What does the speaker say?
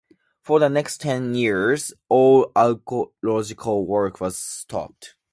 For the next ten years, all archaeological work was stopped.